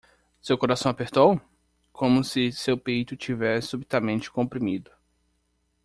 Seu coração apertou? como se seu peito tivesse subitamente comprimido.